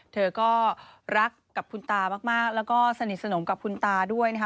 เธอก็รักกับคุณตามากแล้วก็สนิทสนมกับคุณตาด้วยนะคะ